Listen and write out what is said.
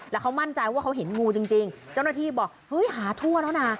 แล้วเขามั่นใจว่าเขาเห็นงูจริงเจ้าหน้าที่บอกเฮ้ยหาทั่วแล้วนะ